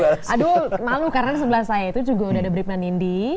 aduh malu karena sebelah saya itu juga udah ada bribna nindi